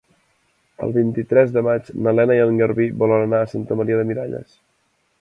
El vint-i-tres de maig na Lena i en Garbí volen anar a Santa Maria de Miralles.